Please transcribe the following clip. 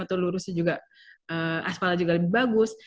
atau lurusnya juga aspalnya juga lebih bagus